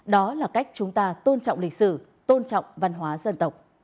đó là cách chúng ta tôn trọng lịch sử tôn trọng văn hóa dân tộc